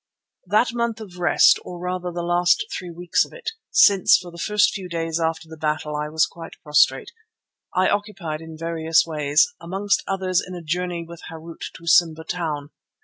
That month of rest, or rather the last three weeks of it, since for the first few days after the battle I was quite prostrate, I occupied in various ways, amongst others in a journey with Harût to Simba Town.